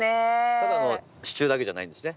ただの支柱だけじゃないんですね。